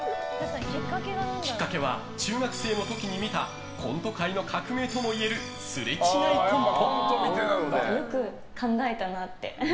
きっかけは、中学生の時に見たコント界の革命ともいえるすれ違いコント。